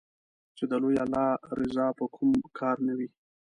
چې د لوی الله رضا په کوم کار نــــــــه وي